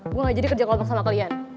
gue gak jadi kerja kelompok sama kalian